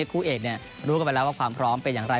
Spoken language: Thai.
คู่เอกทรมานออกว่าความพร้อมเป็นอย่างไร